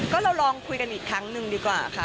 ก็เราลองคุยกันอีกครั้งหนึ่งดีกว่าค่ะ